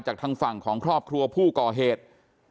ทางฝั่งของครอบครัวผู้ก่อเหตุ